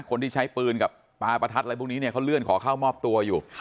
คนที่ใช้ปืนกับปลาประทัดอะไรพวกนี้เนี่ยเขาเลื่อนขอเข้ามอบตัวอยู่